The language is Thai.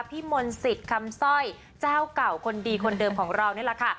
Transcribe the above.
พี่มนต์สิทธิ์คำสร้อยเจ้าเก่าคนดีคนเดิมของเรานี่แหละค่ะ